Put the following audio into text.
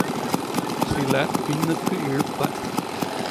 சிலர் பின்னுக்கு இழுப்பர்.